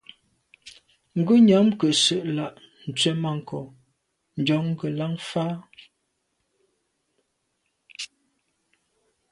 Ngùnyàm nke nse’ la’ tswemanko’ njon ngelan fa.